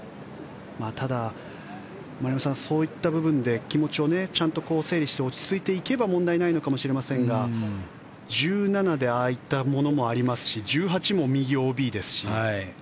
ただ、丸山さんそういった部分で気持ちと整理して落ち着いていけば問題ないのかもしれませんが１７でああいったものもありますし、１８も右ＯＢですし。